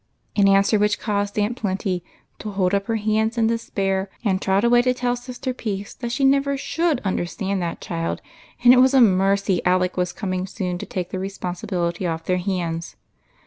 An answer which caused Aunt Plenty to hold up her hands in despair and trot away to tell sister Peace that she never should understand that child, and it was a mercy Alec was coming soon to take the respon sibility off their hands.